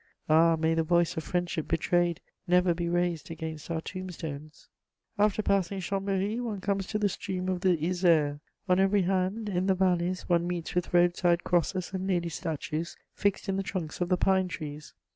Ah, may the voice of friendship betrayed never be raised against our tombstones! After passing Chambéry, one comes to the stream of the Isère. On every hand, in the valleys, one meets with road side crosses and lady statues fixed in the trunks of the pine trees.